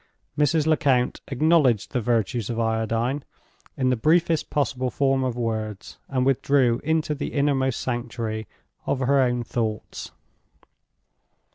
Mrs. Lecount acknowledged the virtues of Iodine, in the briefest possible form of words, and withdrew into the innermost sanctuary of her own thoughts.